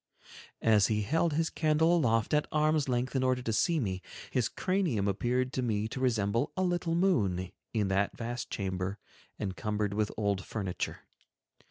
As he held his candle aloft at arm's length in order to see me, his cranium appeared to me to resemble a little moon, in that vast chamber encumbered with old furniture.